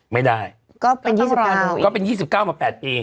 ไม่ได้ก็เป็น๒๙มา๘ปี